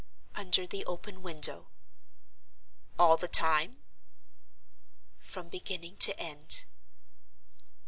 "Under the open window." "All the time?" "From beginning to end."